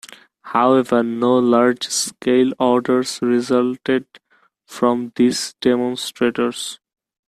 However, no large scale orders resulted from these demonstrators.